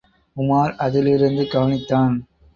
உமார் அதிலிருந்து கவனித்தான்.